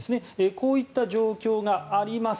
こういった状況があります。